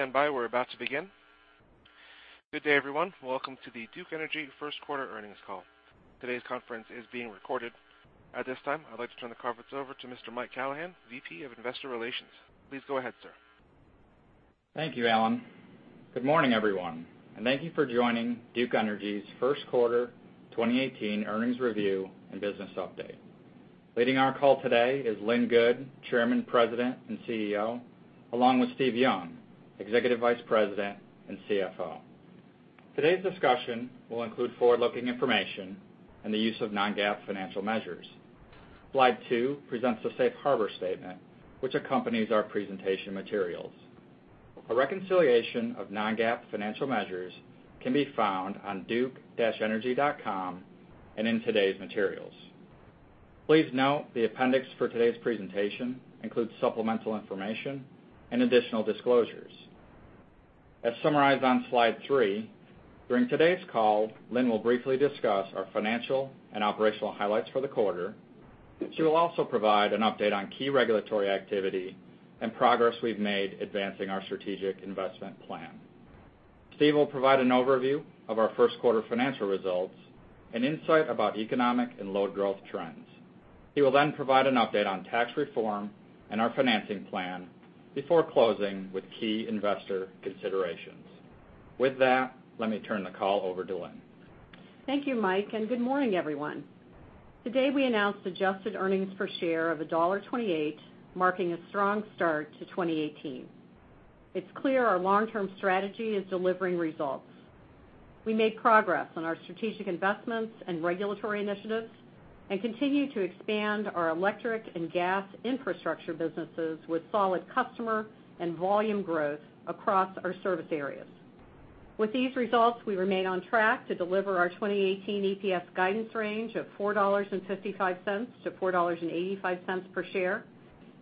Stand by. We're about to begin. Good day, everyone. Welcome to the Duke Energy first quarter earnings call. Today's conference is being recorded. At this time, I'd like to turn the conference over to Mr. Michael Callahan, VP of Investor Relations. Please go ahead, sir. Thank you, Alan. Good morning, everyone. Thank you for joining Duke Energy's first quarter 2018 earnings review and business update. Leading our call today is Lynn Good, Chairman, President, and CEO, along with Steve Young, Executive Vice President and CFO. Today's discussion will include forward-looking information and the use of non-GAAP financial measures. Slide two presents the safe harbor statement, which accompanies our presentation materials. A reconciliation of non-GAAP financial measures can be found on duke-energy.com and in today's materials. Please note the appendix for today's presentation includes supplemental information and additional disclosures. As summarized on slide three, during today's call, Lynn will briefly discuss our financial and operational highlights for the quarter. She will also provide an update on key regulatory activity and progress we've made advancing our strategic investment plan. Steve will provide an overview of our first quarter financial results and insight about economic and load growth trends. He will then provide an update on tax reform and our financing plan before closing with key investor considerations. With that, let me turn the call over to Lynn. Thank you, Mike. Good morning, everyone. Today, we announced adjusted earnings per share of $1.28, marking a strong start to 2018. It's clear our long-term strategy is delivering results. We made progress on our strategic investments and regulatory initiatives and continue to expand our electric and gas infrastructure businesses with solid customer and volume growth across our service areas. With these results, we remain on track to deliver our 2018 EPS guidance range of $4.55-$4.85 per share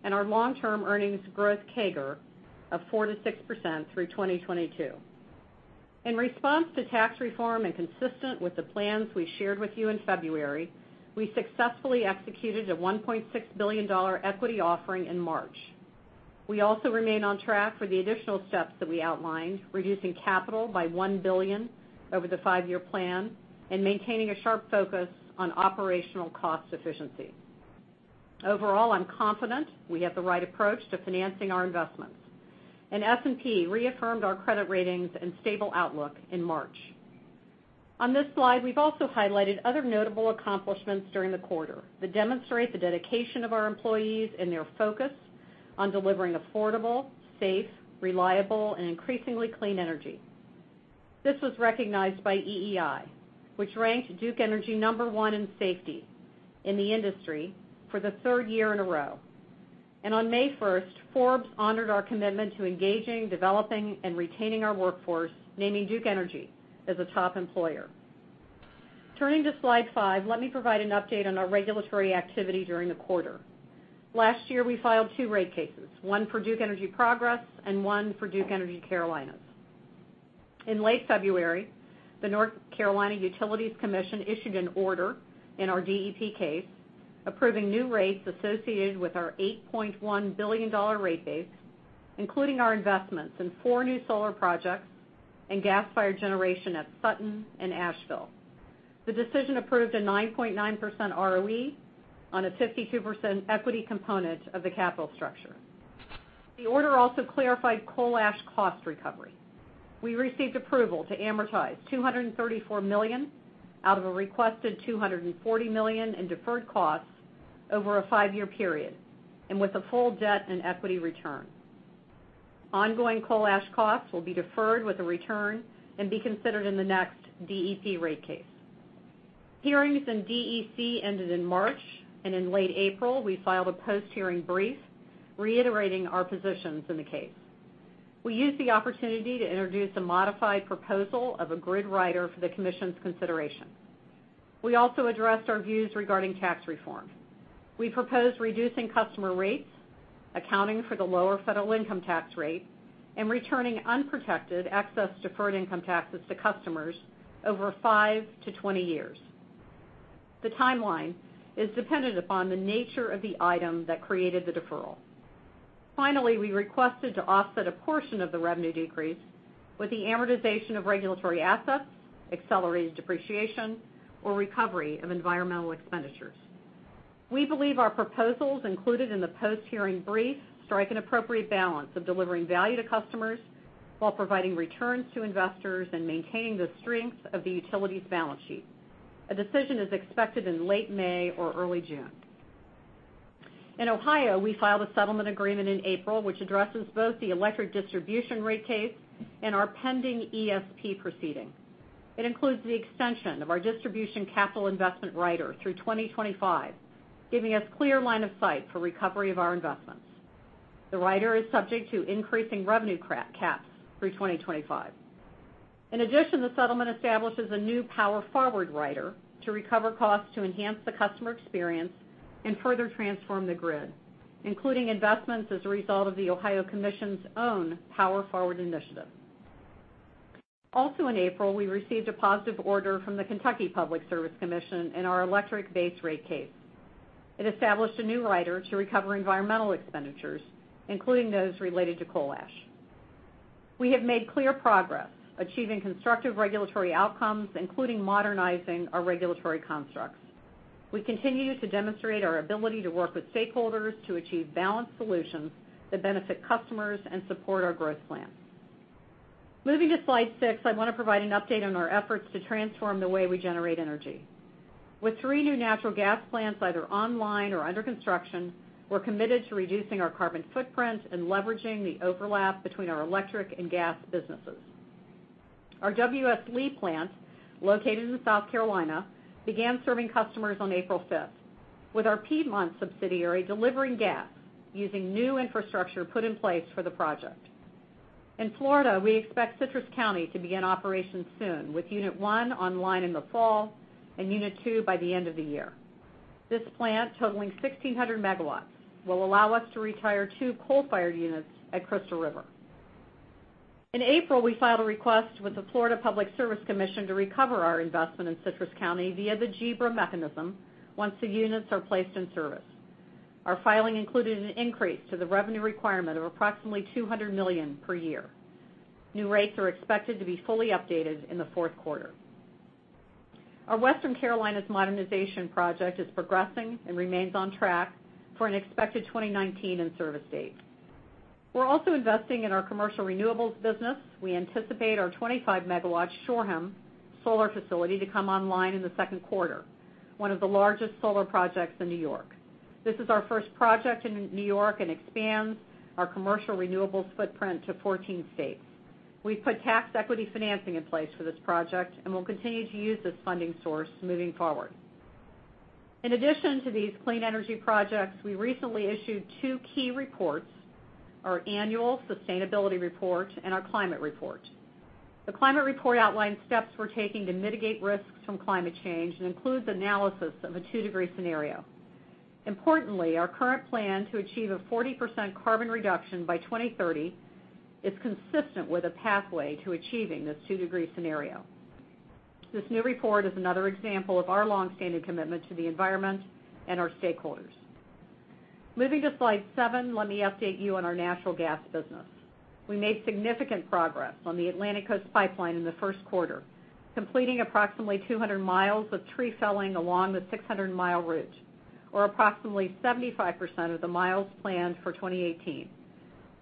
and our long-term earnings growth CAGR of 4%-6% through 2022. In response to tax reform, consistent with the plans we shared with you in February, we successfully executed a $1.6 billion equity offering in March. We also remain on track for the additional steps that we outlined, reducing capital by $1 billion over the five-year plan and maintaining a sharp focus on operational cost efficiency. Overall, I'm confident we have the right approach to financing our investments. S&P reaffirmed our credit ratings and stable outlook in March. On this slide, we've also highlighted other notable accomplishments during the quarter that demonstrate the dedication of our employees and their focus on delivering affordable, safe, reliable, and increasingly clean energy. This was recognized by EEI, which ranked Duke Energy number one in safety in the industry for the third year in a row. On May 1st, Forbes honored our commitment to engaging, developing, and retaining our workforce, naming Duke Energy as a top employer. Turning to slide five, let me provide an update on our regulatory activity during the quarter. Last year, we filed two rate cases, one for Duke Energy Progress and one for Duke Energy Carolinas. In late February, the North Carolina Utilities Commission issued an order in our DEP case approving new rates associated with our $8.1 billion rate base, including our investments in four new solar projects and gas-fired generation at Sutton and Asheville. The decision approved a 9.9% ROE on a 52% equity component of the capital structure. The order also clarified coal ash cost recovery. We received approval to amortize $234 million out of a requested $240 million in deferred costs over a five-year period and with a full debt and equity return. Ongoing coal ash costs will be deferred with a return and be considered in the next DEP rate case. Hearings in DEC ended in March. In late April, we filed a post-hearing brief reiterating our positions in the case. We used the opportunity to introduce a modified proposal of a grid rider for the commission's consideration. We also addressed our views regarding tax reform. We proposed reducing customer rates, accounting for the lower federal income tax rate, and returning unprotected excess deferred income taxes to customers over five to 20 years. The timeline is dependent upon the nature of the item that created the deferral. Finally, we requested to offset a portion of the revenue decrease with the amortization of regulatory assets, accelerated depreciation, or recovery of environmental expenditures. We believe our proposals included in the post-hearing brief strike an appropriate balance of delivering value to customers while providing returns to investors and maintaining the strength of the utility's balance sheet. A decision is expected in late May or early June. In Ohio, we filed a settlement agreement in April, which addresses both the electric distribution rate case and our pending ESP proceeding. It includes the extension of our distribution capital investment rider through 2025, giving us clear line of sight for recovery of our investments. The rider is subject to increasing revenue caps through 2025. In addition, the settlement establishes a new power forward rider to recover costs to enhance the customer experience and further transform the grid, including investments as a result of the Ohio Commission's own PowerForward initiative. Also in April, we received a positive order from the Kentucky Public Service Commission in our electric base rate case. It established a new rider to recover environmental expenditures, including those related to coal ash. We have made clear progress achieving constructive regulatory outcomes, including modernizing our regulatory constructs. We continue to demonstrate our ability to work with stakeholders to achieve balanced solutions that benefit customers and support our growth plans. Moving to slide six, I want to provide an update on our efforts to transform the way we generate energy. With three new natural gas plants either online or under construction, we're committed to reducing our carbon footprint and leveraging the overlap between our electric and gas businesses. Our W.S. Lee plant, located in South Carolina, began serving customers on April fifth, with our Piedmont subsidiary delivering gas using new infrastructure put in place for the project. In Florida, we expect Citrus County to begin operations soon, with unit 1 online in the fall and unit 2 by the end of the year. This plant, totaling 1,600 megawatts, will allow us to retire two coal-fired units at Crystal River. In April, we filed a request with the Florida Public Service Commission to recover our investment in Citrus County via the GBRA mechanism once the units are placed in service. Our filing included an increase to the revenue requirement of approximately $200 million per year. New rates are expected to be fully updated in the fourth quarter. Our Western Carolinas modernization project is progressing and remains on track for an expected 2019 in-service date. We're also investing in our commercial renewables business. We anticipate our 25-megawatt Shoreham solar facility to come online in the second quarter, one of the largest solar projects in New York. This is our first project in New York and expands our commercial renewables footprint to 14 states. We've put tax equity financing in place for this project, and we'll continue to use this funding source moving forward. In addition to these clean energy projects, we recently issued two key reports, our annual sustainability report and our climate report. The climate report outlines steps we're taking to mitigate risks from climate change and includes analysis of a 2-degree scenario. Importantly, our current plan to achieve a 40% carbon reduction by 2030 is consistent with a pathway to achieving this 2-degree scenario. This new report is another example of our longstanding commitment to the environment and our stakeholders. Moving to slide seven, let me update you on our natural gas business. We made significant progress on the Atlantic Coast Pipeline in the first quarter, completing approximately 200 miles of tree felling along the 600-mile route, or approximately 75% of the miles planned for 2018.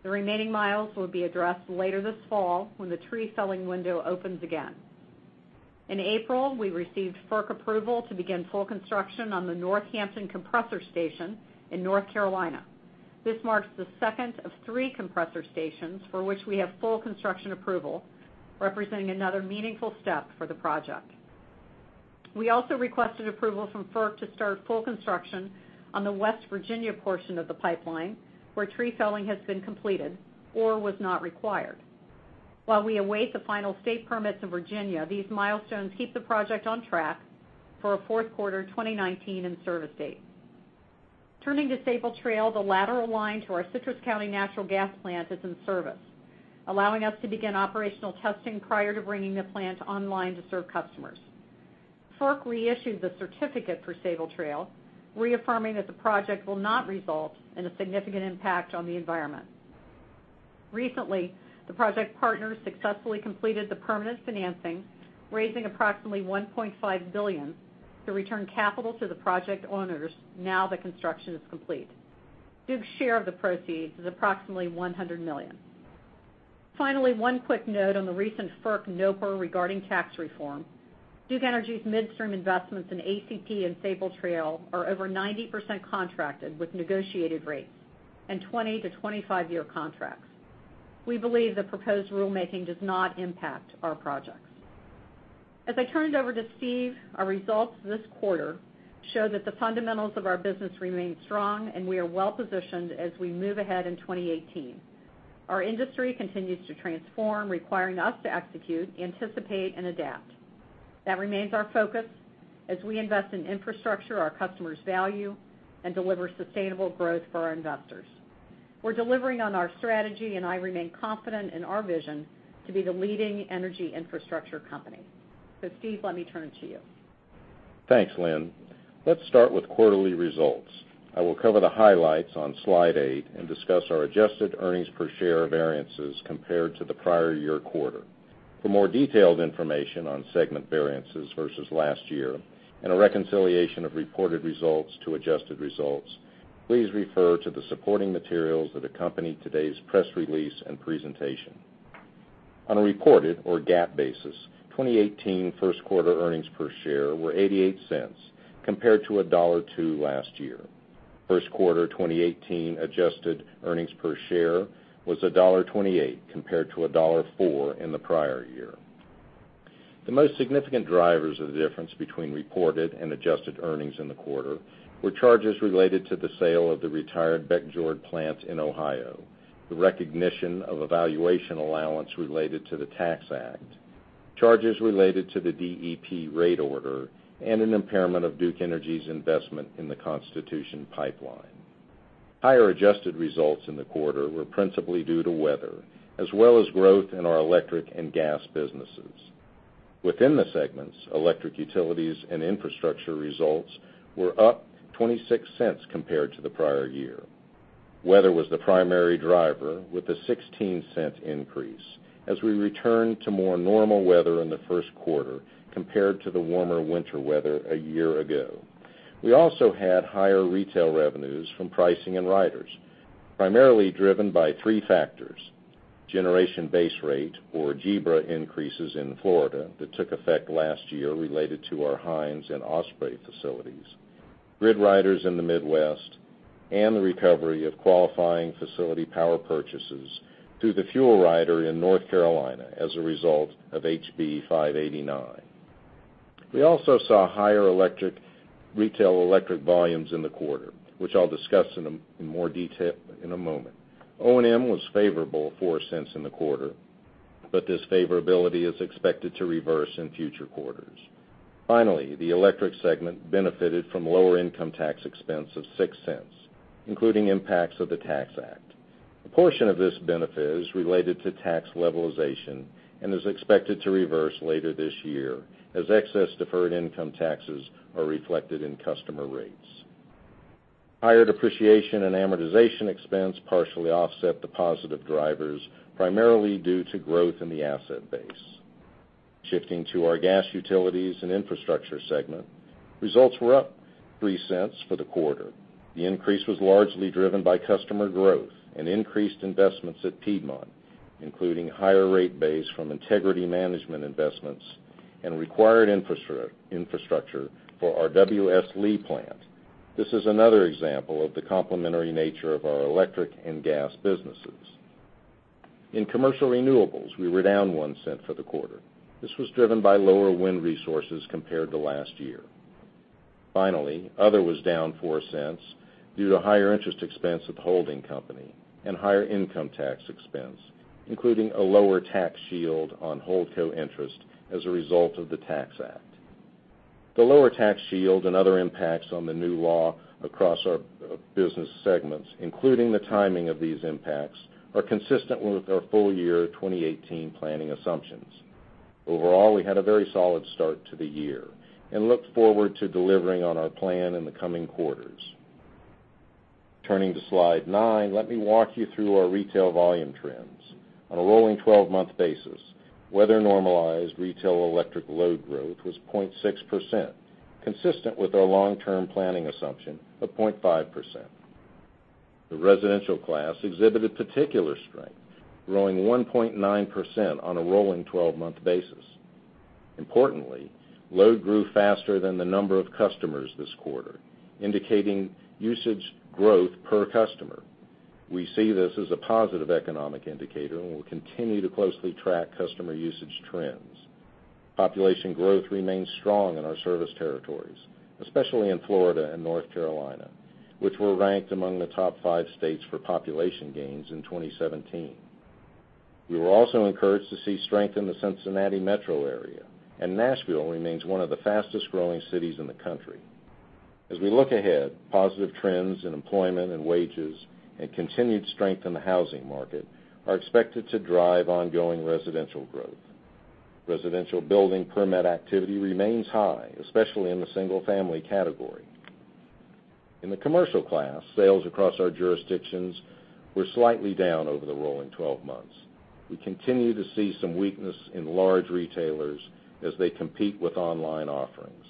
The remaining miles will be addressed later this fall when the tree felling window opens again. In April, we received FERC approval to begin full construction on the Northampton Compressor Station in North Carolina. This marks the second of three compressor stations for which we have full construction approval, representing another meaningful step for the project. We also requested approval from FERC to start full construction on the West Virginia portion of the pipeline, where tree felling has been completed or was not required. While we await the final state permits in Virginia, these milestones keep the project on track for a fourth quarter 2019 in-service date. Turning to Sabal Trail, the lateral line to our Citrus County natural gas plant is in service, allowing us to begin operational testing prior to bringing the plant online to serve customers. FERC reissued the certificate for Sabal Trail, reaffirming that the project will not result in a significant impact on the environment. Recently, the project partners successfully completed the permanent financing, raising approximately $1.5 billion to return capital to the project owners now that construction is complete. Duke's share of the proceeds is approximately $100 million. Finally, one quick note on the recent FERC NOPR regarding tax reform. Duke Energy's midstream investments in ACP and Sabal Trail are over 90% contracted with negotiated rates and 20- to 25-year contracts. We believe the proposed rulemaking does not impact our projects. As I turn it over to Steve, our results this quarter show that the fundamentals of our business remain strong, and we are well-positioned as we move ahead in 2018. Our industry continues to transform, requiring us to execute, anticipate, and adapt. That remains our focus as we invest in infrastructure our customers value and deliver sustainable growth for our investors. We're delivering on our strategy, and I remain confident in our vision to be the leading energy infrastructure company. Steve, let me turn it to you. Thanks, Lynn. Let's start with quarterly results. I will cover the highlights on slide eight and discuss our adjusted earnings per share variances compared to the prior year quarter. For more detailed information on segment variances versus last year and a reconciliation of reported results to adjusted results, please refer to the supporting materials that accompany today's press release and presentation. On a reported or GAAP basis, 2018 first quarter earnings per share were $0.88 compared to $1.02 last year. First quarter 2018 adjusted earnings per share was $1.28, compared to $1.04 in the prior year. The most significant drivers of the difference between reported and adjusted earnings in the quarter were charges related to the sale of the retired Beckjord Station in Ohio, the recognition of a valuation allowance related to the Tax Act, charges related to the DEP rate order, and an impairment of Duke Energy's investment in the Constitution Pipeline. Higher adjusted results in the quarter were principally due to weather, as well as growth in our electric and gas businesses. Within the segments, Electric Utilities and Infrastructure results were up $0.26 compared to the prior year. Weather was the primary driver, with a $0.16 increase as we return to more normal weather in the first quarter compared to the warmer winter weather a year ago. We also had higher retail revenues from pricing and riders, primarily driven by three factors. Generation base rate or GBRA increases in Florida that took effect last year related to our Hines and Osprey facilities, grid riders in the Midwest, and the recovery of qualifying facility power purchases through the fuel rider in North Carolina as a result of HB 589. We also saw higher retail electric volumes in the quarter, which I'll discuss in more detail in a moment. O&M was favorable $0.04 in the quarter. This favorability is expected to reverse in future quarters. Finally, the electric segment benefited from lower income tax expense of $0.06, including impacts of the Tax Act. A portion of this benefit is related to tax levelization and is expected to reverse later this year as excess deferred income taxes are reflected in customer rates. Higher depreciation and amortization expense partially offset the positive drivers, primarily due to growth in the asset base. Shifting to our Gas Utilities and Infrastructure segment, results were up $0.03 for the quarter. The increase was largely driven by customer growth and increased investments at Piedmont, including higher rate base from integrity management investments and required infrastructure for our W.S. Lee Station. This is another example of the complementary nature of our electric and gas businesses. In commercial renewables, we were down $0.01 for the quarter. This was driven by lower wind resources compared to last year. Finally, other was down $0.04 due to higher interest expense at the holdco and higher income tax expense, including a lower tax shield on holdco interest as a result of the Tax Act. The lower tax shield and other impacts on the new law across our business segments, including the timing of these impacts, are consistent with our full year 2018 planning assumptions. Overall, we had a very solid start to the year and look forward to delivering on our plan in the coming quarters. Turning to slide nine, let me walk you through our retail volume trends. On a rolling 12-month basis, weather-normalized retail electric load growth was 0.6%, consistent with our long-term planning assumption of 0.5%. The residential class exhibited particular strength, growing 1.9% on a rolling 12-month basis. Importantly, load grew faster than the number of customers this quarter, indicating usage growth per customer. We see this as a positive economic indicator and will continue to closely track customer usage trends. Population growth remains strong in our service territories, especially in Florida and North Carolina, which were ranked among the top five states for population gains in 2017. We were also encouraged to see strength in the Cincinnati metro area. Nashville remains one of the fastest-growing cities in the country. As we look ahead, positive trends in employment and wages and continued strength in the housing market are expected to drive ongoing residential growth. Residential building permit activity remains high, especially in the single-family category. In the commercial class, sales across our jurisdictions were slightly down over the rolling 12 months. We continue to see some weakness in large retailers as they compete with online offerings.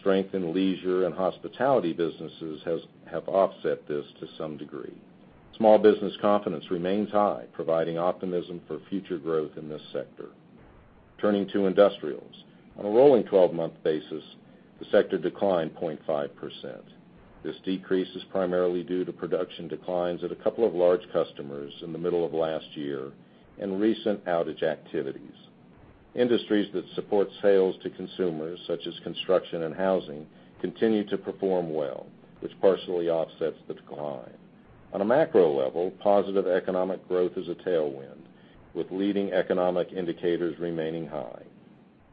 Strength in leisure and hospitality businesses have offset this to some degree. Small business confidence remains high, providing optimism for future growth in this sector. Turning to industrials. On a rolling 12-month basis, the sector declined 0.5%. This decrease is primarily due to production declines at a couple of large customers in the middle of last year and recent outage activities. Industries that support sales to consumers, such as construction and housing, continue to perform well, which partially offsets the decline. On a macro level, positive economic growth is a tailwind, with leading economic indicators remaining high.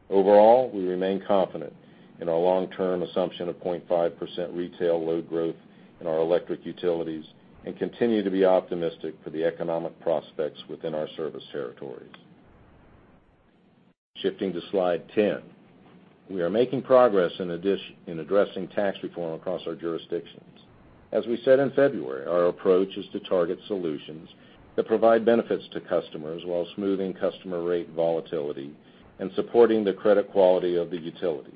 Overall, we remain confident in our long-term assumption of 0.5% retail load growth in our electric utilities and continue to be optimistic for the economic prospects within our service territories. Shifting to slide 10. We are making progress in addressing tax reform across our jurisdictions. As we said in February, our approach is to target solutions that provide benefits to customers while smoothing customer rate volatility and supporting the credit quality of the utilities.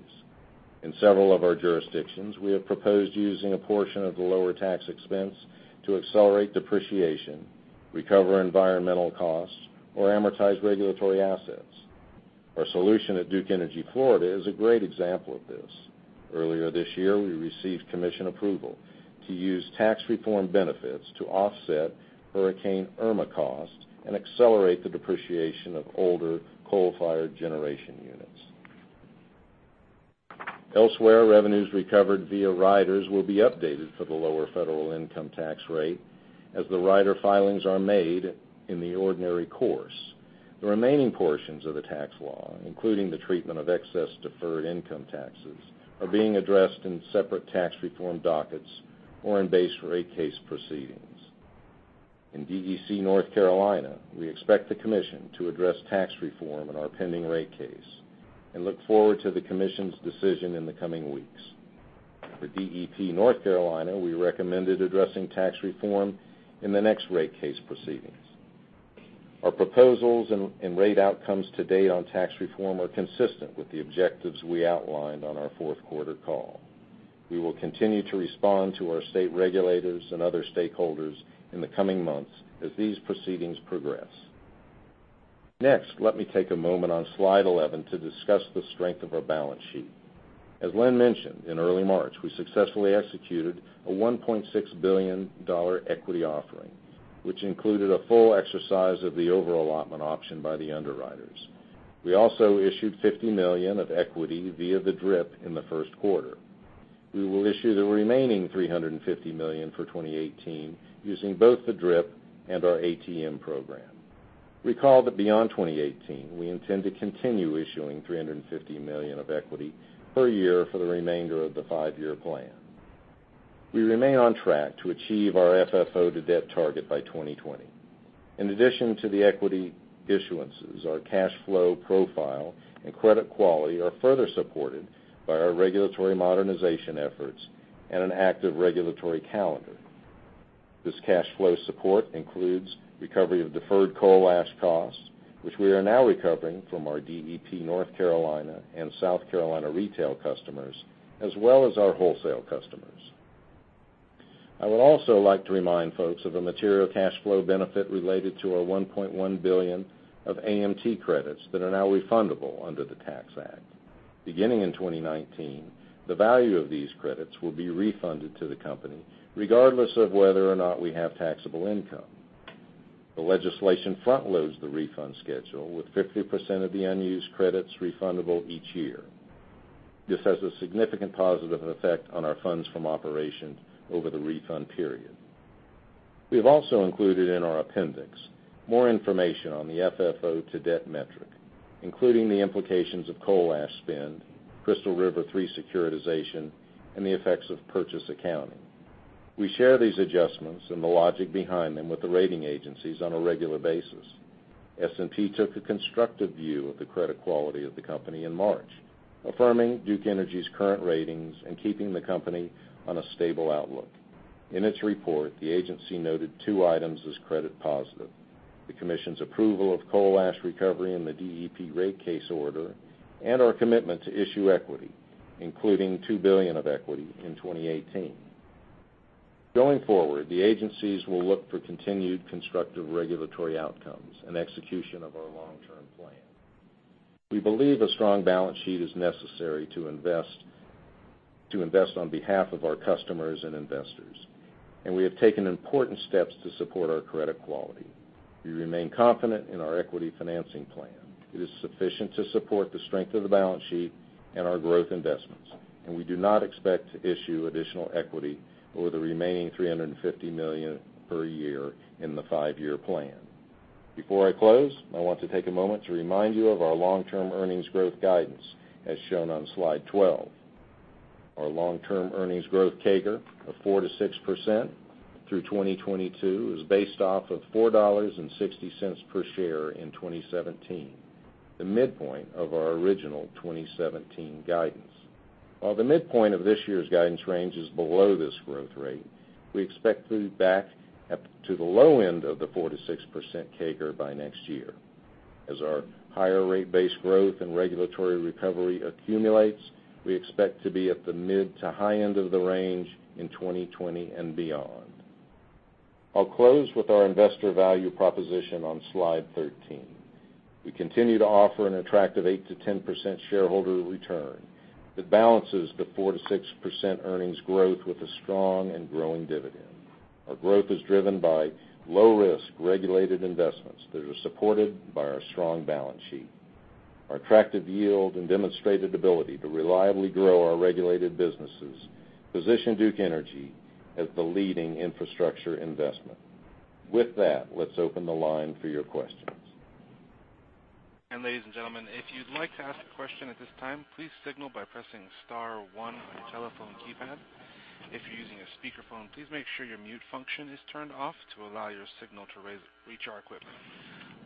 In several of our jurisdictions, we have proposed using a portion of the lower tax expense to accelerate depreciation, recover environmental costs, or amortize regulatory assets. Our solution at Duke Energy Florida is a great example of this. Earlier this year, we received commission approval to use tax reform benefits to offset Hurricane Irma costs and accelerate the depreciation of older coal-fired generation units. Elsewhere, revenues recovered via riders will be updated for the lower federal income tax rate as the rider filings are made in the ordinary course. The remaining portions of the tax law, including the treatment of excess deferred income taxes, are being addressed in separate tax reform dockets or in base rate case proceedings. In DEC North Carolina, we expect the commission to address tax reform in our pending rate case and look forward to the commission's decision in the coming weeks. For DEP North Carolina, we recommended addressing tax reform in the next rate case proceedings. Our proposals and rate outcomes to date on tax reform are consistent with the objectives we outlined on our fourth quarter call. We will continue to respond to our state regulators and other stakeholders in the coming months as these proceedings progress. Next, let me take a moment on slide 11 to discuss the strength of our balance sheet. As Lynn mentioned, in early March, we successfully executed a $1.6 billion equity offering, which included a full exercise of the over-allotment option by the underwriters. We also issued $50 million of equity via the DRIP in the first quarter. We will issue the remaining $350 million for 2018 using both the DRIP and our ATM program. Recall that beyond 2018, we intend to continue issuing $350 million of equity per year for the remainder of the five-year plan. We remain on track to achieve our FFO to debt target by 2020. In addition to the equity issuances, our cash flow profile and credit quality are further supported by our regulatory modernization efforts and an active regulatory calendar. This cash flow support includes recovery of deferred coal ash costs, which we are now recovering from our DEP North Carolina and South Carolina retail customers, as well as our wholesale customers. I would also like to remind folks of a material cash flow benefit related to our $1.1 billion of AMT credits that are now refundable under the Tax Act. Beginning in 2019, the value of these credits will be refunded to the company, regardless of whether or not we have taxable income. The legislation front-loads the refund schedule, with 50% of the unused credits refundable each year. This has a significant positive effect on our funds from operations over the refund period. We have also included in our appendix more information on the FFO to debt metric, including the implications of coal ash spend, Crystal River 3 securitization, and the effects of purchase accounting. We share these adjustments and the logic behind them with the rating agencies on a regular basis. S&P took a constructive view of the credit quality of the company in March, affirming Duke Energy's current ratings and keeping the company on a stable outlook. In its report, the agency noted two items as credit positive. The commission's approval of coal ash recovery in the DEP rate case order and our commitment to issue equity, including $2 billion of equity in 2018. Going forward, the agencies will look for continued constructive regulatory outcomes and execution of our long-term plan. We believe a strong balance sheet is necessary to invest on behalf of our customers and investors, we have taken important steps to support our credit quality. We remain confident in our equity financing plan. It is sufficient to support the strength of the balance sheet and our growth investments, we do not expect to issue additional equity over the remaining $350 million per year in the five-year plan. Before I close, I want to take a moment to remind you of our long-term earnings growth guidance, as shown on slide 12. Our long-term earnings growth CAGR of 4%-6% through 2022 is based off of $4.60 per share in 2017, the midpoint of our original 2017 guidance. While the midpoint of this year's guidance range is below this growth rate, we expect to be back up to the low end of the 4%-6% CAGR by next year. As our higher rate base growth and regulatory recovery accumulates, we expect to be at the mid to high end of the range in 2020 and beyond. I'll close with our investor value proposition on slide 13. We continue to offer an attractive 8%-10% shareholder return that balances the 4%-6% earnings growth with a strong and growing dividend. Our growth is driven by low-risk regulated investments that are supported by our strong balance sheet. Our attractive yield and demonstrated ability to reliably grow our regulated businesses position Duke Energy as the leading infrastructure investment. With that, let's open the line for your questions. Ladies and gentlemen, if you'd like to ask a question at this time, please signal by pressing *1 on your telephone keypad. If you're using a speakerphone, please make sure your mute function is turned off to allow your signal to reach our equipment.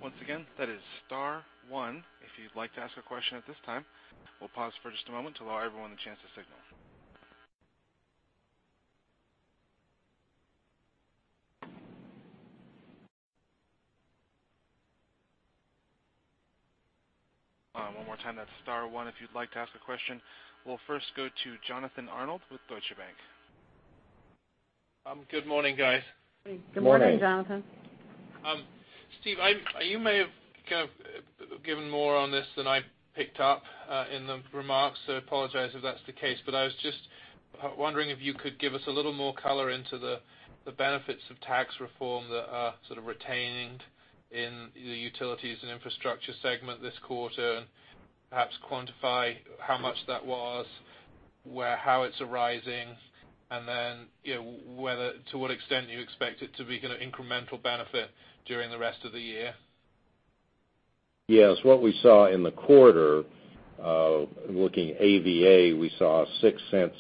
Once again, that is *1 if you'd like to ask a question at this time. We'll pause for just a moment to allow everyone the chance to signal. One more time, that's *1 if you'd like to ask a question. We'll first go to Jonathan Arnold with Deutsche Bank. Good morning. Morning. Steve, you may have given more on this than I picked up in the remarks, so I apologize if that's the case. I was just wondering if you could give us a little more color into the benefits of tax reform that are sort of retained in the Utilities and Infrastructure segment this quarter, and perhaps quantify how much that was. Where, how it's arising, to what extent you expect it to be an incremental benefit during the rest of the year? Yes. What we saw in the quarter, looking EU&I, we saw $0.06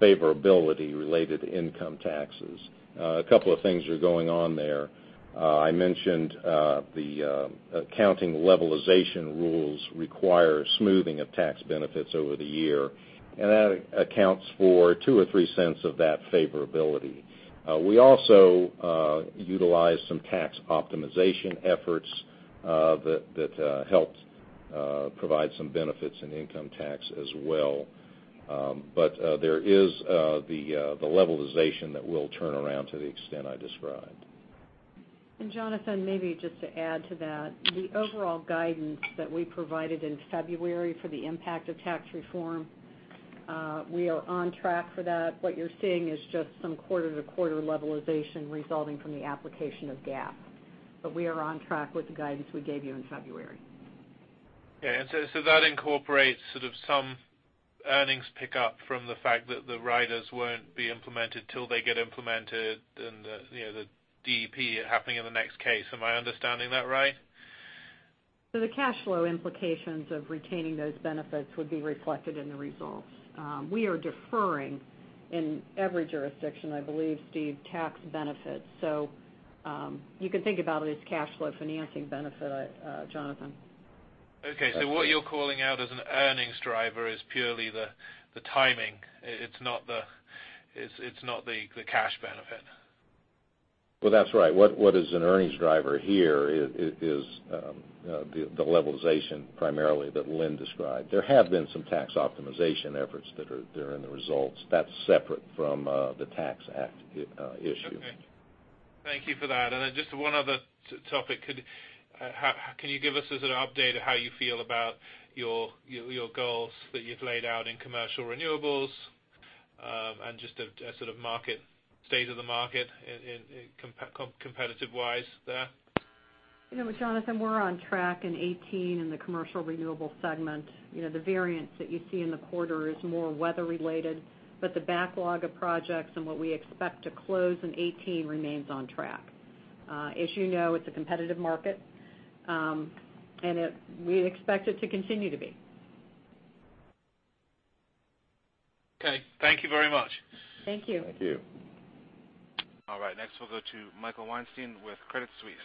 favorability related to income taxes. A couple of things are going on there. I mentioned the accounting levelization rules require smoothing of tax benefits over the year, and that accounts for $0.02 or $0.03 of that favorability. We also utilized some tax optimization efforts that helped provide some benefits in income tax as well. There is the levelization that will turn around to the extent I described. Jonathan, maybe just to add to that, the overall guidance that we provided in February for the impact of tax reform, we are on track for that. What you're seeing is just some quarter-to-quarter levelization resulting from the application of GAAP. We are on track with the guidance we gave you in February. Okay. That incorporates sort of some earnings pickup from the fact that the riders won't be implemented till they get implemented and the DEP happening in the next case. Am I understanding that right? The cash flow implications of retaining those benefits would be reflected in the results. We are deferring in every jurisdiction, I believe, Steve, tax benefits. You can think about it as cash flow financing benefit, Jonathan. Okay. What you're calling out as an earnings driver is purely the timing. It's not the cash benefit. Well, that's right. What is an earnings driver here is the levelization primarily that Lynn described. There have been some tax optimization efforts that are there in the results. That's separate from the Tax Act issue. Okay. Thank you for that. Just one other topic. Can you give us a sort of update of how you feel about your goals that you've laid out in commercial renewables, and just a sort of state of the market competitive-wise there? Jonathan, we're on track in 2018 in the commercial renewable segment. The variance that you see in the quarter is more weather related, but the backlog of projects and what we expect to close in 2018 remains on track. As you know, it's a competitive market, and we expect it to continue to be. Okay. Thank you very much. Thank you. Thank you. All right. Next, we'll go to Michael Weinstein with Credit Suisse.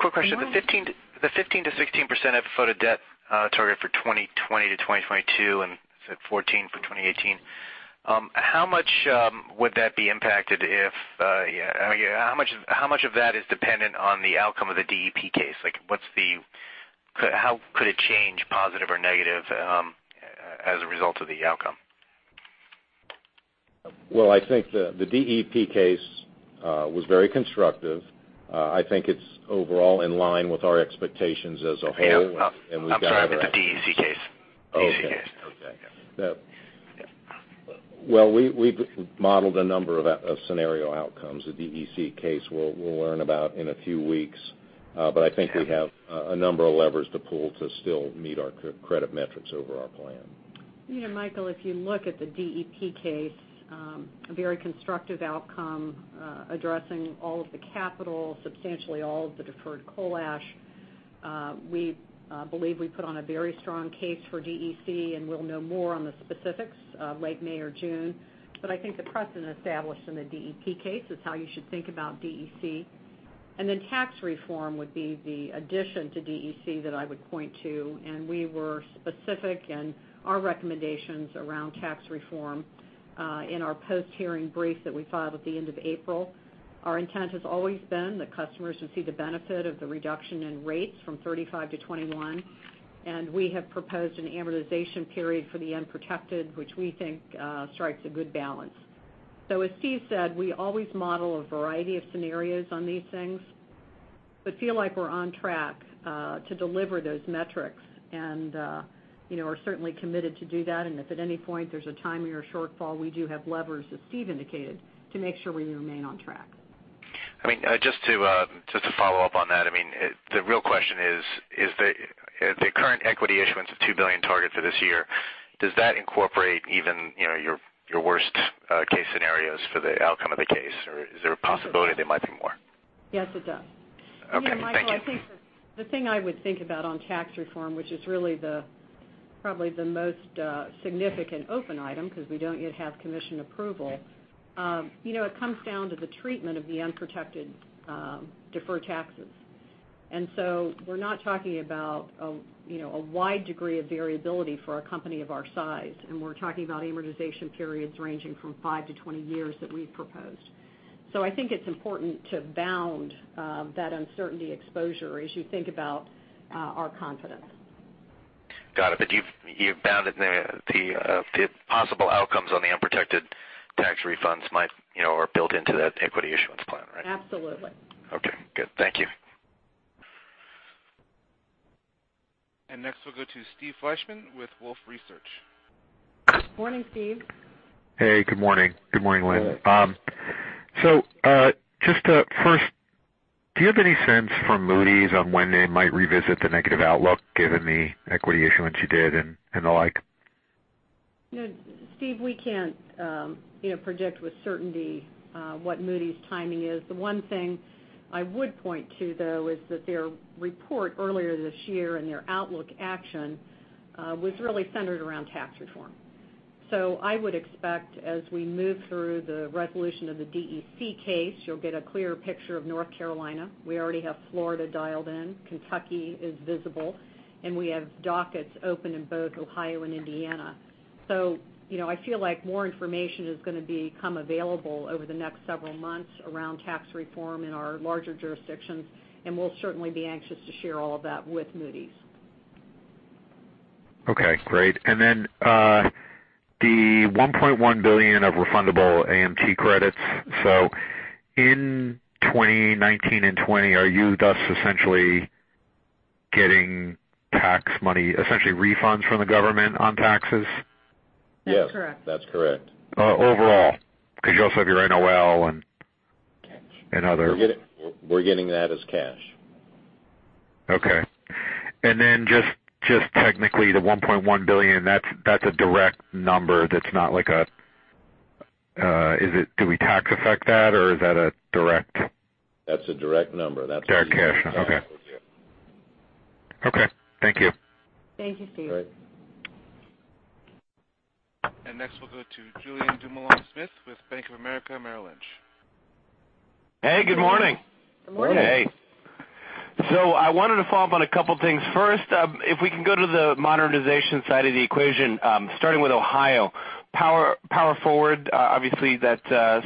Quick question. The 15%-16% EBITDA debt target for 2020-2022, and you said 14% for 2018, how much of that is dependent on the outcome of the DEP case? How could it change positive or negative as a result of the outcome? Well, I think the DEP case was very constructive. I think it's overall in line with our expectations as a whole. I'm sorry, the DEC case. Okay. Well, we've modeled a number of scenario outcomes. The DEC case we'll learn about in a few weeks. I think we have a number of levers to pull to still meet our credit metrics over our plan. Michael, if you look at the DEP case, a very constructive outcome addressing all of the capital, substantially all of the deferred coal ash. We believe we put on a very strong case for DEC, and we'll know more on the specifics late May or June. I think the precedent established in the DEP case is how you should think about DEC. Tax reform would be the addition to DEC that I would point to, and we were specific in our recommendations around tax reform in our post-hearing brief that we filed at the end of April. Our intent has always been that customers should see the benefit of the reduction in rates from 35 to 21, and we have proposed an amortization period for the unprotected, which we think strikes a good balance. As Steve said, we always model a variety of scenarios on these things, but feel like we're on track to deliver those metrics, and are certainly committed to do that. If at any point there's a timing or shortfall, we do have levers, as Steve indicated, to make sure we remain on track. Just to follow up on that, the real question is, the current equity issuance of $2 billion target for this year, does that incorporate even your worst case scenarios for the outcome of the case? Is there a possibility there might be more? Yes, it does. Okay. Thank you. Michael, the thing I would think about on tax reform, which is really probably the most significant open item, because we don't yet have commission approval, it comes down to the treatment of the unprotected deferred taxes. We're not talking about a wide degree of variability for a company of our size, and we're talking about amortization periods ranging from five to 20 years that we've proposed. I think it's important to bound that uncertainty exposure as you think about our confidence. Got it. You've bounded the possible outcomes on the unprotected tax refunds are built into that equity issuance plan, right? Absolutely. Okay, good. Thank you. Next, we'll go to Steve Fleishman with Wolfe Research. Good morning, Steve. Hey, good morning. Good morning, Lynn. Good morning. Just first, do you have any sense from Moody's on when they might revisit the negative outlook, given the equity issuance you did and the like? Steve, we can't predict with certainty what Moody's timing is. The one thing I would point to, though, is that their report earlier this year and their outlook action was really centered around tax reform. I would expect as we move through the resolution of the DEC case, you'll get a clearer picture of North Carolina. We already have Florida dialed in. Kentucky is visible, and we have dockets open in both Ohio and Indiana. I feel like more information is going to become available over the next several months around tax reform in our larger jurisdictions, and we'll certainly be anxious to share all of that with Moody's. Okay, great. The $1.1 billion of refundable AMT credits. In 2019 and 2020, are you thus essentially getting tax money, essentially refunds from the government on taxes? Yes. That's correct. That's correct. Overall, because you also have your NOL and. Cash Other. We're getting that as cash. Okay. Then just technically, the $1.1 billion, that's a direct number that's not like. Do we tax-affect that, or is that a direct? That's a direct number. Direct cash. Okay. Yeah. Okay. Thank you. Thank you, Steve. All right. Next, we'll go to Julien Dumoulin-Smith with Bank of America Merrill Lynch. Hey, good morning. Good morning. Good morning. Hey. I wanted to follow up on a couple things. First, if we can go to the modernization side of the equation, starting with Ohio. Power forward, obviously that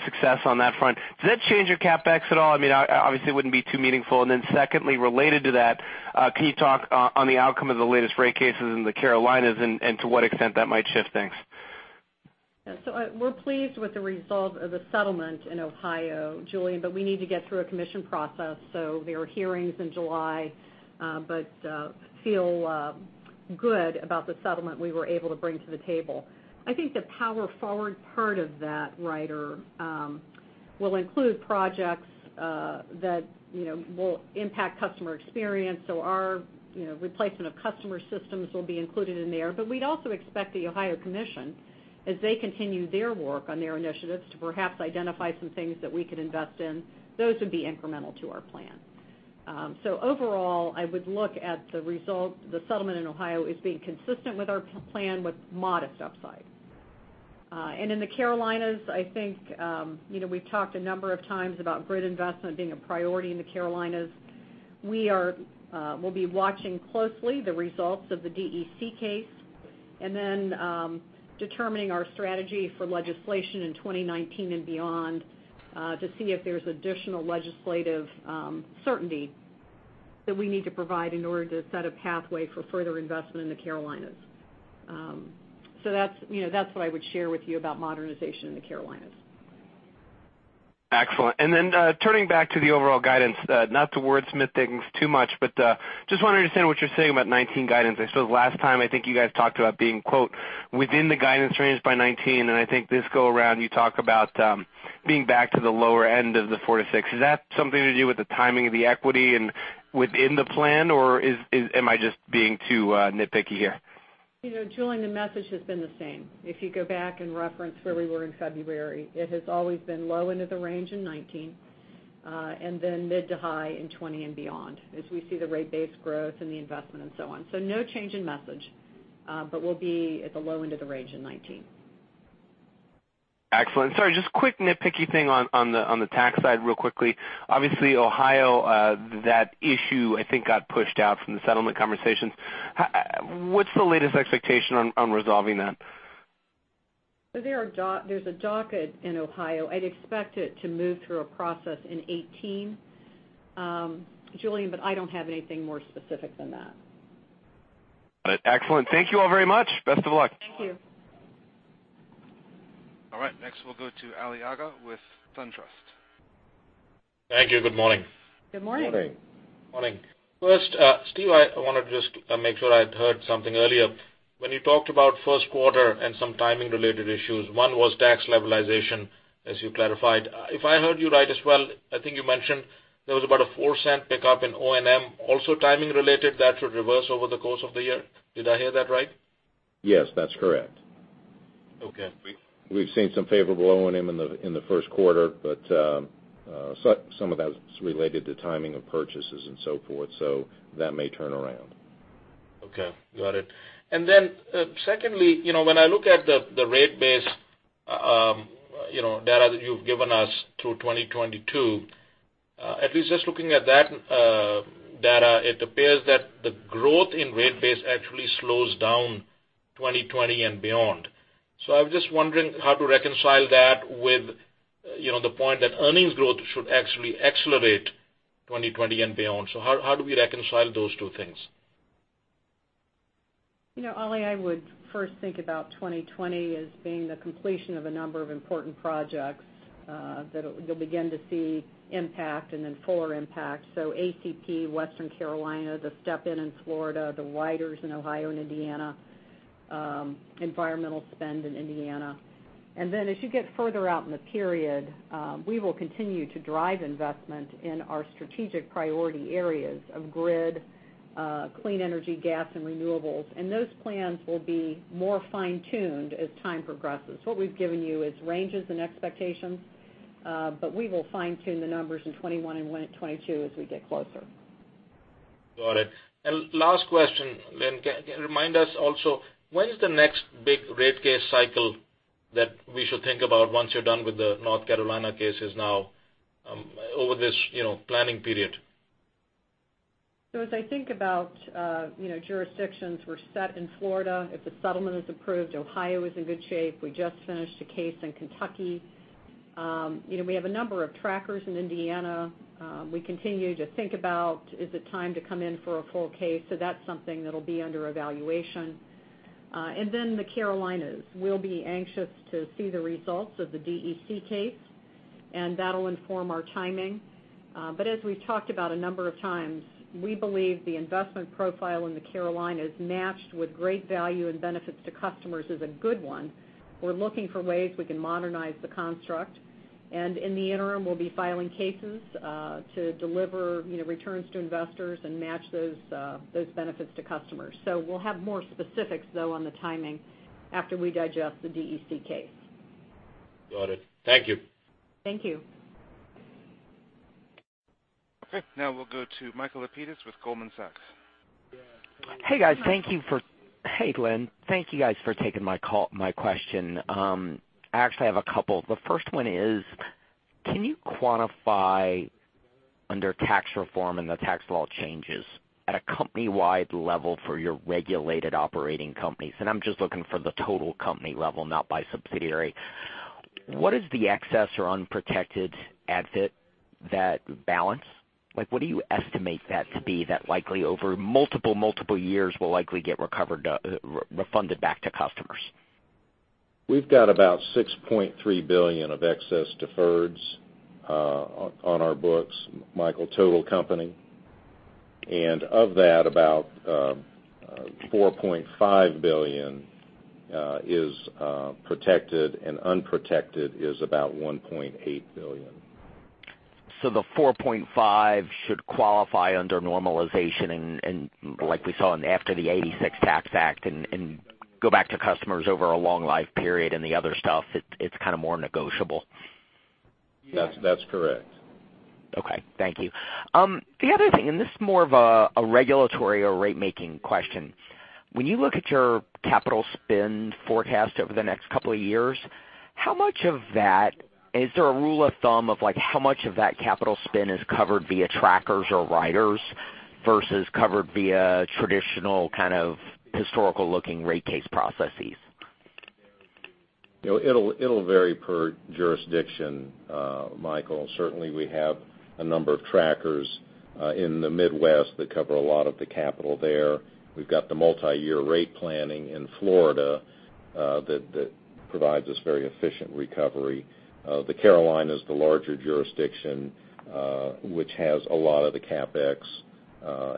success on that front. Does that change your CapEx at all? Obviously, it wouldn't be too meaningful. Secondly, related to that, can you talk on the outcome of the latest rate cases in the Carolinas and to what extent that might shift things? We're pleased with the result of the settlement in Ohio, Julien, but we need to get through a commission process. There are hearings in July, but feel good about the settlement we were able to bring to the table. I think the Power forward part of that rider will include projects that will impact customer experience. Our replacement of customer systems will be included in there. We'd also expect the Ohio Commission, as they continue their work on their initiatives, to perhaps identify some things that we could invest in. Those would be incremental to our plan. Overall, I would look at the result, the settlement in Ohio as being consistent with our plan with modest upside. In the Carolinas, I think we've talked a number of times about grid investment being a priority in the Carolinas. We'll be watching closely the results of the DEC case, determining our strategy for legislation in 2019 and beyond to see if there's additional legislative certainty that we need to provide in order to set a pathway for further investment in the Carolinas. That's what I would share with you about modernization in the Carolinas. Excellent. Turning back to the overall guidance, not to wordsmith things too much, but just want to understand what you're saying about 2019 guidance. I saw the last time I think you guys talked about being "within the guidance range by 2019." I think this go around, you talk about being back to the lower end of the 4% to 6%. Is that something to do with the timing of the equity and within the plan, or am I just being too nitpicky here? Julien, the message has been the same. If you go back and reference where we were in February, it has always been low end of the range in 2019, mid to high in 2020 and beyond as we see the rate base growth and the investment and so on. No change in message. We'll be at the low end of the range in 2019. Excellent. Sorry, just quick nitpicky thing on the tax side real quickly. Obviously, Ohio, that issue I think got pushed out from the settlement conversations. What's the latest expectation on resolving that? There's a docket in Ohio. I'd expect it to move through a process in 2018, Julien, I don't have anything more specific than that. Got it. Excellent. Thank you all very much. Best of luck. Thank you. All right. Next, we'll go to Ali Agha with SunTrust. Thank you. Good morning. Good morning. Good morning. Morning. First, Steve, I want to just make sure I'd heard something earlier. When you talked about first quarter and some timing-related issues, one was tax levelization, as you clarified. If I heard you right as well, I think I mentioned there was about a $0.04 pickup in O&M, also timing related, that should reverse over the course of the year. Did I hear that right? Yes, that's correct. Okay. We've seen some favorable O&M in the first quarter, some of that's related to timing of purchases and so forth. That may turn around. Okay. Got it. Secondly, when I look at the rate base data that you've given us through 2022, at least just looking at that data, it appears that the growth in rate base actually slows down 2020 and beyond. I was just wondering how to reconcile that with the point that earnings growth should actually accelerate 2020 and beyond. How do we reconcile those two things? Ali, I would first think about 2020 as being the completion of a number of important projects that you'll begin to see impact and then fuller impact. ACP, Western Carolina, the step-in in Florida, the riders in Ohio and Indiana. Environmental spend in Indiana. As you get further out in the period, we will continue to drive investment in our strategic priority areas of grid, clean energy, gas, and renewables. Those plans will be more fine-tuned as time progresses. What we've given you is ranges and expectations, we will fine-tune the numbers in 2021 and 2022 as we get closer. Got it. Last question, Lynn. Remind us also, when is the next big rate case cycle that we should think about once you're done with the North Carolina cases now over this planning period? As I think about jurisdictions we're set in Florida, if the settlement is approved. Ohio is in good shape. We just finished a case in Kentucky. We have a number of trackers in Indiana. We continue to think about is it time to come in for a full case, that'll be something under evaluation. Then the Carolinas. We'll be anxious to see the results of the DEC case, that'll inform our timing. As we've talked about a number of times, we believe the investment profile in the Carolinas matched with great value and benefits to customers is a good one. We're looking for ways we can modernize the construct. In the interim, we'll be filing cases to deliver returns to investors and match those benefits to customers. We'll have more specifics, though, on the timing after we digest the DEC case. Got it. Thank you. Thank you. Now we'll go to Michael Lapides with Goldman Sachs. Hey, guys. Hey, Lynn. Thank you guys for taking my question. I actually have a couple. The first one is, can you quantify under tax reform and the tax law changes at a company-wide level for your regulated operating companies, and I am just looking for the total company level, not by subsidiary. What is the excess or unprotected ADIT that balance? What do you estimate that to be that likely over multiple years will likely get refunded back to customers? We've got about $6.3 billion of excess deferreds on our books, Michael, total company. Of that, about $4.5 billion is protected, and unprotected is about $1.8 billion. The 4.5 should qualify under normalization and like we saw after the 1986 Tax Act, and go back to customers over a long life period, and the other stuff, it's kind of more negotiable. That's correct. Okay. Thank you. The other thing, this is more of a regulatory or rate-making question. When you look at your capital spend forecast over the next couple of years, is there a rule of thumb of how much of that capital spend is covered via trackers or riders versus covered via traditional kind of historical-looking rate case processes? It'll vary per jurisdiction, Michael. Certainly, we have a number of trackers in the Midwest that cover a lot of the capital there. We've got the multi-year rate planning in Florida that provides us very efficient recovery. The Carolinas, the larger jurisdiction, which has a lot of the CapEx,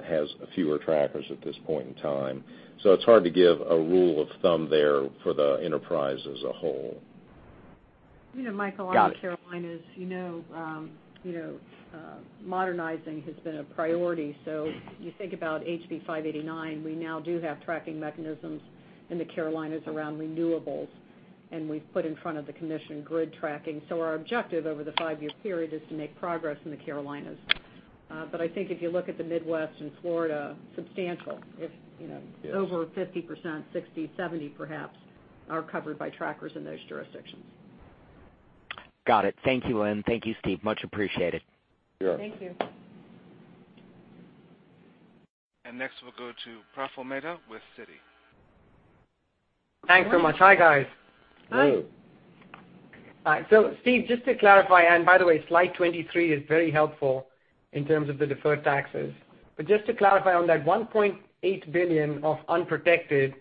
has fewer trackers at this point in time. It's hard to give a rule of thumb there for the enterprise as a whole. Got it. Michael, on the Carolinas, modernizing has been a priority. You think about HB 589, we now do have tracking mechanisms in the Carolinas around renewables, and we've put in front of the commission grid tracking. Our objective over the five-year period is to make progress in the Carolinas. I think if you look at the Midwest and Florida, substantial, over 50%, 60%, 70% perhaps are covered by trackers in those jurisdictions. Got it. Thank you, Lynn. Thank you, Steve. Much appreciated. Sure. Thank you. Next, we'll go to Praful Mehta with Citi. Thanks so much. Hi, guys. Hi. Hello. Hi. Steve, just to clarify, and by the way, slide 23 is very helpful in terms of the deferred taxes. Just to clarify on that $1.8 billion of unprotected,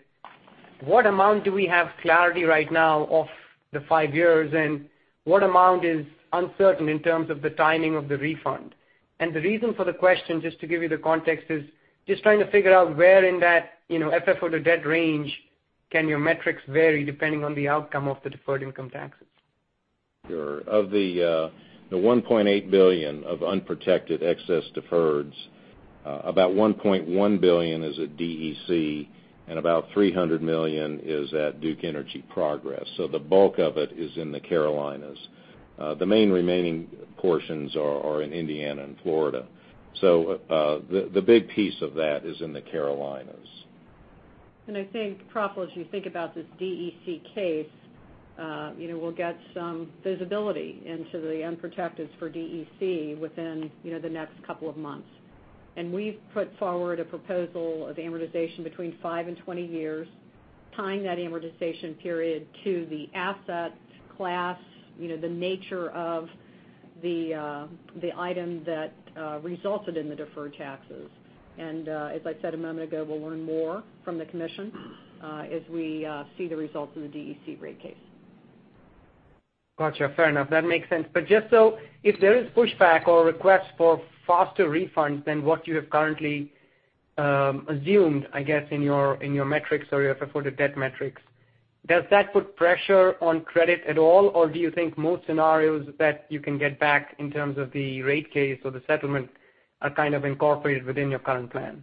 what amount do we have clarity right now of the five years, and what amount is uncertain in terms of the timing of the refund? The reason for the question, just to give you the context, is just trying to figure out where in that FFO or the debt range can your metrics vary depending on the outcome of the deferred income taxes? Sure. Of the $1.8 billion of unprotected excess deferreds, about $1.1 billion is at DEC, and about $300 million is at Duke Energy Progress. The bulk of it is in the Carolinas. The main remaining portions are in Indiana and Florida. The big piece of that is in the Carolinas. I think, Praful, as you think about this DEC case, we'll get some visibility into the unprotecteds for DEC within the next couple of months. We've put forward a proposal of amortization between five and 20 years, tying that amortization period to the asset class, the nature of the item that resulted in the deferred taxes. As I said a moment ago, we'll learn more from the commission as we see the results of the DEC rate case. Got you. Fair enough. That makes sense. Just so if there is pushback or requests for faster refunds than what you have currently assumed, I guess, in your metrics or your FFO to debt metrics, does that put pressure on credit at all? Do you think most scenarios that you can get back in terms of the rate case or the settlement are kind of incorporated within your current plan?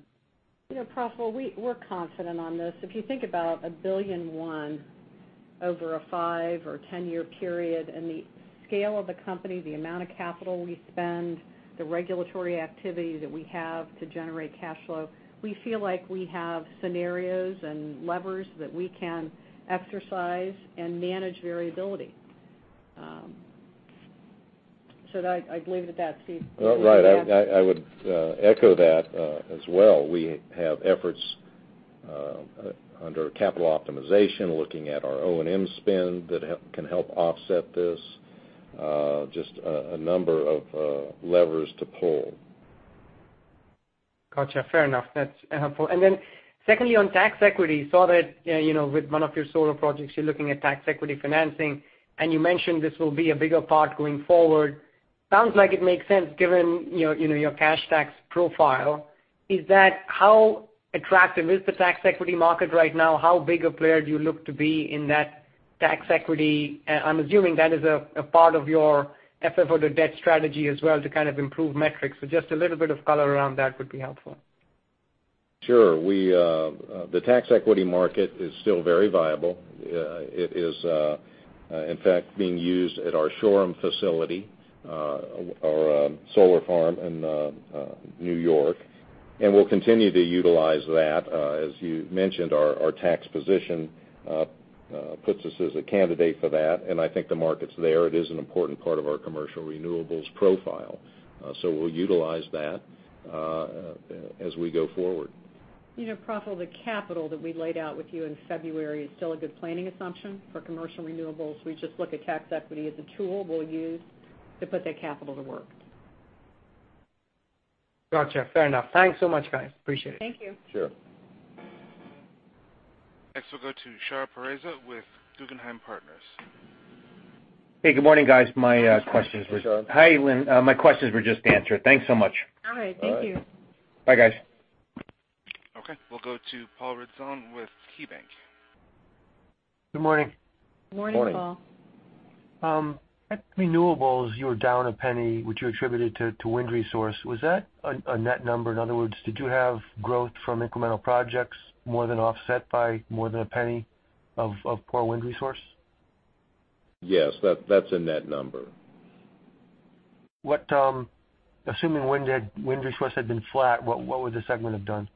Praful, we're confident on this. If you think about $1.1 billion over a 5 or 10-year period and the scale of the company, the amount of capital we spend, the regulatory activity that we have to generate cash flow, we feel like we have scenarios and levers that we can exercise and manage variability. I believe that that's the- Right. I would echo that as well. We have efforts under capital optimization, looking at our O&M spend that can help offset this. Just a number of levers to pull. Got you. Fair enough. That's helpful. Secondly, on tax equity, saw that with one of your solar projects, you're looking at tax equity financing, and you mentioned this will be a bigger part going forward. Sounds like it makes sense given your cash tax profile. How attractive is the tax equity market right now? How big a player do you look to be in that tax equity? I'm assuming that is a part of your effort for the debt strategy as well to kind of improve metrics. Just a little bit of color around that would be helpful. Sure. The tax equity market is still very viable. It is, in fact, being used at our Shoreham facility, our solar farm in New York, and we'll continue to utilize that. As you mentioned, our tax position puts us as a candidate for that, and I think the market's there. It is an important part of our commercial renewables profile. We'll utilize that as we go forward. Praful, the capital that we laid out with you in February is still a good planning assumption for commercial renewables. We just look at tax equity as a tool we'll use to put that capital to work. Got you. Fair enough. Thanks so much, guys. Appreciate it. Thank you. Sure. Next, we'll go to Shar Pourreza with Guggenheim Partners. Hey, good morning, guys. Hi, Shar. Hi, Lynn. My questions were just answered. Thanks so much. All right. Thank you. All right. Bye, guys. Okay. We'll go to Paul Ridzon with KeyBank. Good morning. Morning, Paul. Morning. At renewables, you were down $0.01, which you attributed to wind resource. Was that a net number? In other words, did you have growth from incremental projects more than offset by more than $0.01 of poor wind resource? Yes. That's a net number. Assuming wind resource had been flat, what would the segment have done?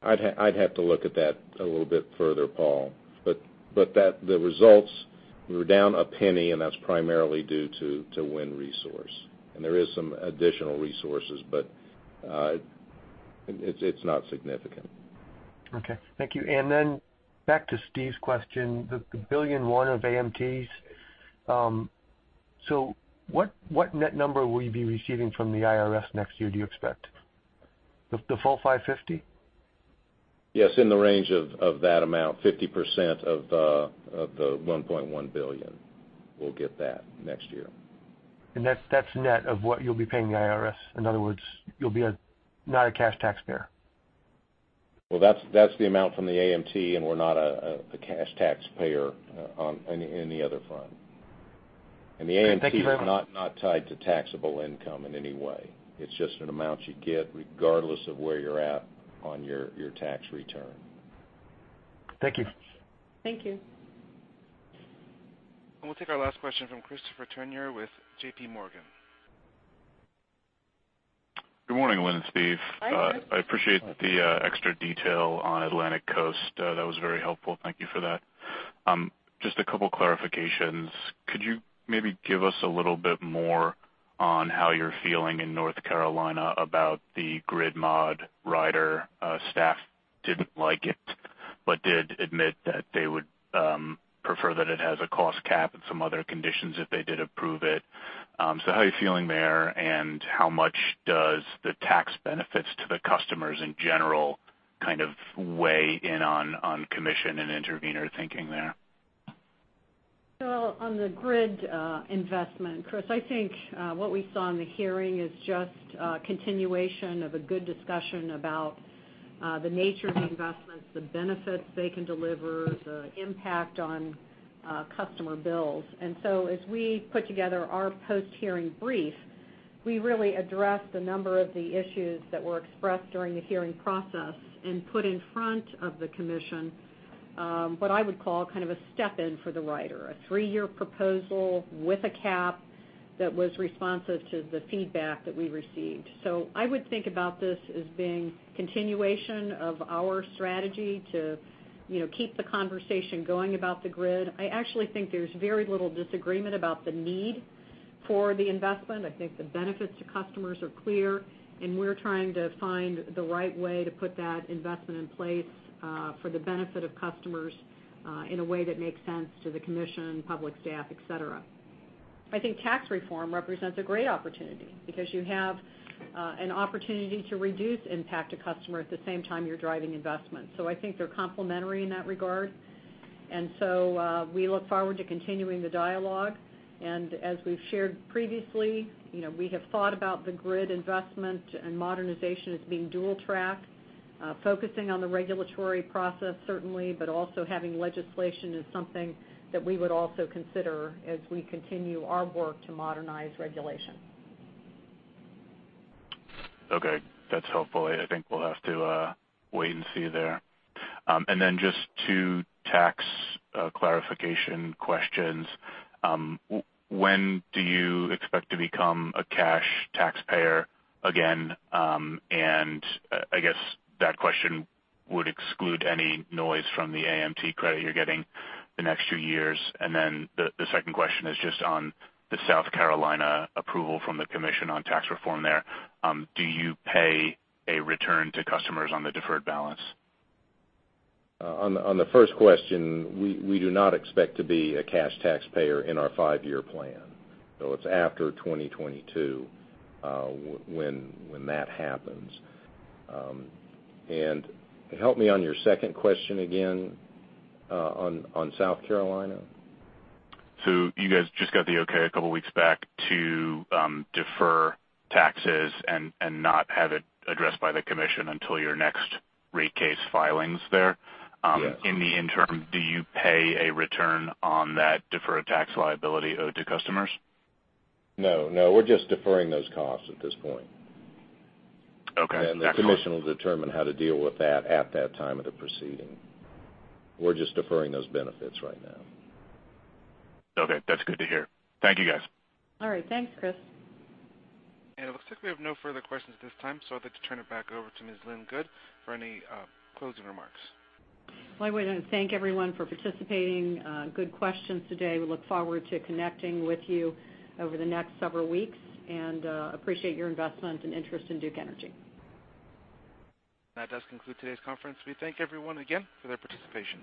I'd have to look at that a little bit further, Paul, the results were down $0.01, and that's primarily due to wind resource. There is some additional resources, but it's not significant. Okay. Thank you. Back to Steve's question, the $1.1 billion of AMTs. What net number will you be receiving from the IRS next year, do you expect? The full 550? Yes, in the range of that amount, 50% of the $1.1 billion. We'll get that next year. That's net of what you'll be paying the IRS. In other words, you'll be not a cash taxpayer. Well, that's the amount from the AMT, and we're not a cash taxpayer on any other front. Great. Thank you very much. The AMT is not tied to taxable income in any way. It's just an amount you get regardless of where you're at on your tax return. Thank you. Thank you. We'll take our last question from Christopher Turnure with JPMorgan. Good morning, Lynn and Steve. Hi, Chris. Good morning. I appreciate the extra detail on Atlantic Coast. That was very helpful. Thank you for that. Just a couple clarifications. Could you maybe give us a little bit more on how you're feeling in North Carolina about the grid mod rider? Staff didn't like it, but did admit that they would prefer that it has a cost cap and some other conditions if they did approve it. How are you feeling there, and how much does the tax benefits to the customers in general kind of weigh in on Commission and intervener thinking there? On the grid investment, Chris, I think what we saw in the hearing is just a continuation of a good discussion about the nature of the investments, the benefits they can deliver, the impact on customer bills. As we put together our post-hearing brief, we really addressed a number of the issues that were expressed during the hearing process and put in front of the Commission, what I would call kind of a step in for the rider. A three-year proposal with a cap that was responsive to the feedback that we received. I would think about this as being continuation of our strategy to keep the conversation going about the grid. I actually think there's very little disagreement about the need for the investment. I think the benefits to customers are clear, and we're trying to find the right way to put that investment in place for the benefit of customers in a way that makes sense to the Commission, Public Staff, et cetera. I think tax reform represents a great opportunity because you have an opportunity to reduce impact to customer at the same time you're driving investment. I think they're complementary in that regard. We look forward to continuing the dialogue. As we've shared previously, we have thought about the grid investment and modernization as being dual track, focusing on the regulatory process, certainly, but also having legislation is something that we would also consider as we continue our work to modernize regulation. Okay, that's helpful. I think we'll have to wait and see there. Just two tax clarification questions. When do you expect to become a cash taxpayer again? I guess that question would exclude any noise from the AMT credit you're getting the next two years. The second question is just on the South Carolina approval from the commission on tax reform there. Do you pay a return to customers on the deferred balance? On the first question, we do not expect to be a cash taxpayer in our five-year plan. It's after 2022 when that happens. Help me on your second question again, on South Carolina. You guys just got the okay a couple weeks back to defer taxes and not have it addressed by the commission until your next rate case filings there. Yeah. In the interim, do you pay a return on that deferred tax liability owed to customers? No. We're just deferring those costs at this point. Okay. Excellent. The commission will determine how to deal with that at that time of the proceeding. We're just deferring those benefits right now. Okay. That's good to hear. Thank you, guys. All right. Thanks, Chris. It looks like we have no further questions at this time, so I'd like to turn it back over to Ms. Lynn Good for any closing remarks. Well, I want to thank everyone for participating. Good questions today. We look forward to connecting with you over the next several weeks and appreciate your investment and interest in Duke Energy. That does conclude today's conference. We thank everyone again for their participation.